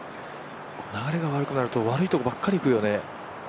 流れが悪いと、悪いところばっかりいくよね。